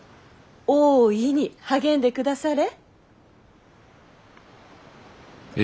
大いに励んでくだされ。